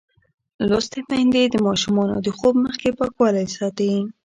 لوستې میندې د ماشومانو د خوب مخکې پاکوالی ساتي.